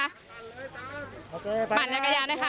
ปั่นเลยอาจารย์ปั่นจักรยานเลยค่ะ